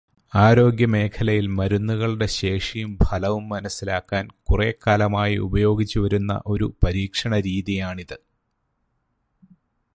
ആരോഗ്യമേഖലയിൽ മരുന്നുകളുടെ ശേഷിയും ഫലവും മനസ്സിലാക്കാൻ കുറെക്കാലമായി ഉപയോഗിച്ചുവരുന്ന ഒരു പരീക്ഷണരീതിയാണിത്.